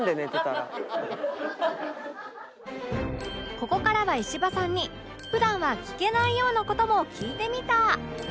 ここからは石破さんに普段は聞けないような事も聞いてみた